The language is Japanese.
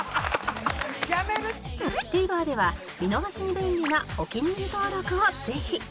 ＴＶｅｒ では見逃しに便利なお気に入り登録をぜひ